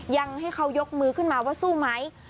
ยังให้เขายกมือขึ้นมาว่าสู้ไหม